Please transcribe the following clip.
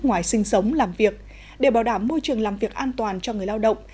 ngoài sinh sống làm việc để bảo đảm môi trường làm việc an toàn cho người lao động